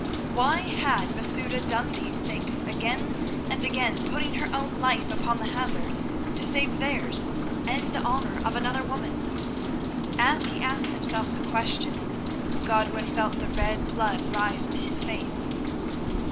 Why had Masouda done these things, again and again putting her own life upon the hazard to save theirs and the honour of another woman? As he asked himself the question Godwin felt the red blood rise to his face.